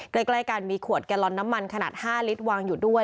ใกล้กันมีขวดแกลลอนน้ำมันขนาด๕ลิตรวางอยู่ด้วย